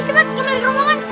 cepet kembali ke rombongan